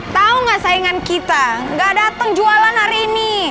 tau gak saingan kita gak dateng jualan hari ini